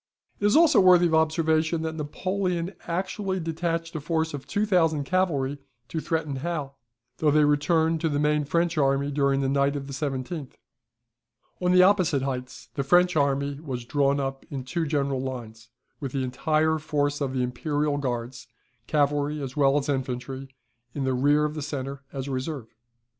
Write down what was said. It is also worthy of observation that Napoleon actually detached a force of 2,000 cavalry to threaten Hal, though they returned to the main French army during the night of the 17th. See "Victoires at Conquetes des Francais," vol. xxiv. p 186.] On the opposite heights the French army was drawn up in two general lines, with the entire force of the Imperial Guards, cavalry as well as infantry, in rear of the centre, as a reserve.